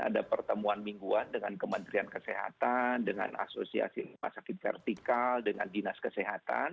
ada pertemuan mingguan dengan kementerian kesehatan dengan asosiasi rumah sakit vertikal dengan dinas kesehatan